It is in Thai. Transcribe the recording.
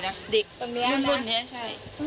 ส่วนมากเด็กจะมานี่หมดเลยนะ